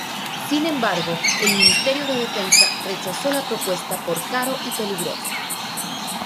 Sin embargo, el Ministerio de Defensa rechazó la propuesta por caro y peligroso.